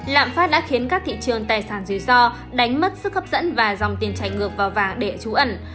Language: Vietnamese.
lạm phát đã khiến các thị trường tài sản dưới do đánh mất sức hấp dẫn và dòng tiền chạy ngược vào vàng để trú ẩn